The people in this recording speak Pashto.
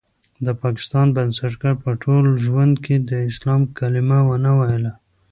د پاکستان بنسټګر په ټول ژوند کې د اسلام کلمه ونه ويله.